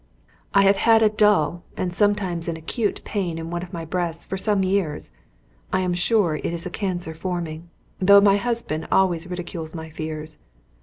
I have had a dull, and sometimes an acute pain in one of my breasts, for some years. I am sure it is a cancer forming, though my husband always ridicules my fears.